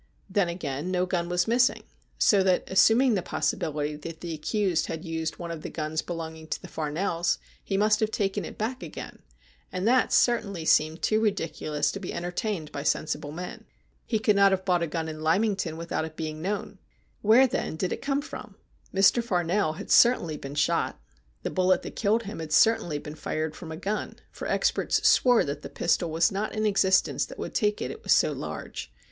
Then again, no gun was missing, so that, assuming the possibility that the accused had used one of the guns belonging to the Farnells, he must have taken it back again, and that certainly seemed too ridiculous to be entertained by sensible men. He could not have bought a gun in Lymington without its being known. "Where, then, did it come from ? Mr. Farnell had certainly been shot. The bullet that killed him had certainly been fired from a gun, for experts swore that the pistol was not in existence that would take it, it was so large.